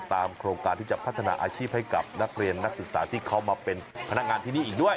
โครงการที่จะพัฒนาอาชีพให้กับนักเรียนนักศึกษาที่เขามาเป็นพนักงานที่นี่อีกด้วย